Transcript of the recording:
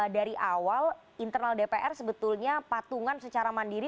dari awal internal dpr sebetulnya patungan secara mandiri